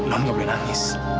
aku akan berhenti